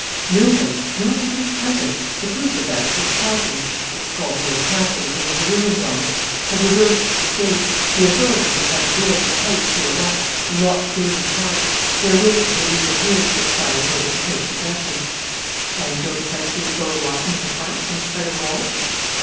"Nobody, not even a cousin. The proof is that his property it's called the Old Castle, because of the ruins on it has reverted to the State. The authorities have had the doors of the house sealed up, and locked the gate of the park. They are waiting for the legal period to expire in order to take possession." "And don't sightseers go walking in the park, in spite of the walls?"